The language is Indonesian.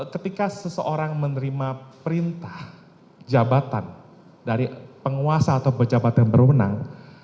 ketika seseorang menerima perintah jabatan dari penguasa atau pejabat yang berwenang